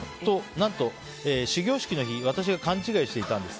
何と始業式の日を私が勘違いしていたんです。